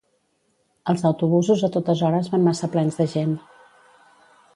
Els autobusos a totes hores van massa plens de gent